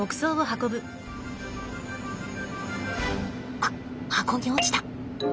あっ箱に落ちた。